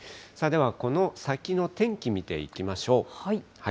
では、この先の天気、見ていきましょう。